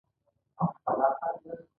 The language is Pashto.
هغه بیا د حملې په فکر کې شو.